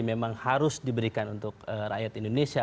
memang harus diberikan untuk rakyat indonesia